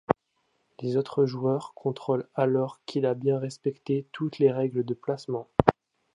Les autres joueurs contrôlent alors qu'il a bien respecté toutes les règles de placement.